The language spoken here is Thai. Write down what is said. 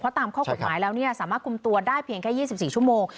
เพราะจะตามข้อกฎหมายแล้วนี่สามารถคุมตัวได้เพียง๒๔ชั่วโมง